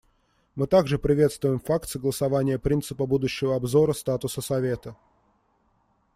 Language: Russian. Мы также приветствуем факт согласования принципа будущего обзора статуса Совета.